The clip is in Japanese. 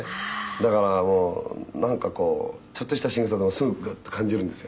「だからなんかこうちょっとしたしぐさでもすぐグッと感じるんですよ」